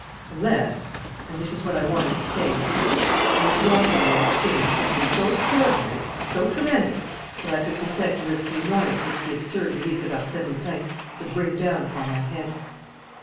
"Unless and this is what I wanted to say unless you offer me in exchange something so extraordinary and so tremendous that I could consent to risk the annoyance which the absurd release of Arsène Lupin would bring down upon my head."